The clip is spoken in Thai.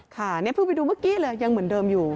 ค่ะนี่เพิ่งไปดูเมื่อกี้เลยยังเหมือนเดิมอยู่